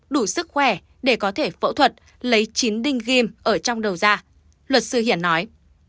đủ sức khỏe để có thể phẫu thuật lấy chín đinh game ở trong đầu da luật sư hiển nói